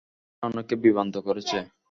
তারা অনেককে বিভ্রান্ত করেছে।